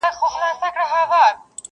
یاره کله به سیالان سو دجهانه,